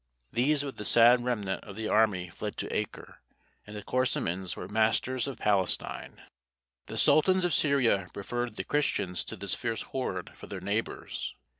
These with the sad remnant of the army fled to Acre, and the Korasmins were masters of Palestine. The sultans of Syria preferred the Christians to this fierce horde for their neighbours.